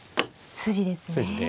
筋ですね。